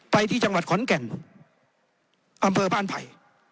ไปที่จังหวัดขอนแก่นอำเภอบ้านไผ่